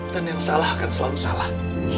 dan yang salah akan selalu salah